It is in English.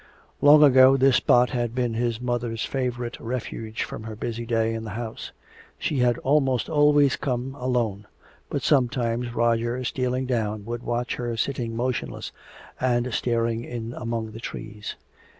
Long ago this spot had been his mother's favorite refuge from her busy day in the house. She had almost always come alone, but sometimes Roger stealing down would watch her sitting motionless and staring in among the trees.